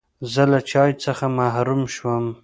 زه له چای څخه محروم شوم.